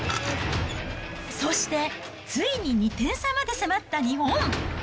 そして、ついに２点差まで迫った日本。